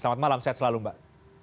selamat malam sehat selalu mbak